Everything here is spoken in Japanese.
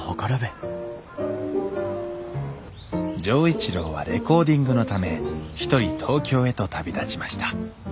錠一郎はレコーディングのため一人東京へと旅立ちました